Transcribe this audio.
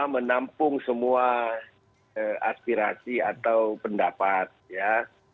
menampung semua aspirasi atau pendapat ya